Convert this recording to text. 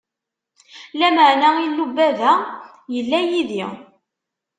Lameɛna Illu n baba yella yid-i.